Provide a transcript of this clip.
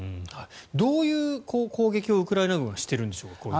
どういう攻撃をウクライナ軍はしているんでしょう。